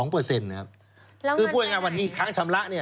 แล้วมันเป็นไหนคือพูดง่ายวันนี้ค้างชำระ